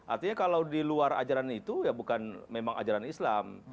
artinya kalau di luar ajaran itu ya bukan memang ajaran islam